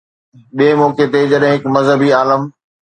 ٻئي موقعي تي جڏهن هڪ مذهبي عالم